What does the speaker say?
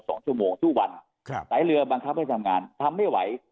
สองชั่วโมงทุกวันครับสายเรือบังคับให้ทำงานทำไม่ไหว